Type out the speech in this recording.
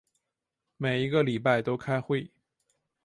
每一个礼拜都开会。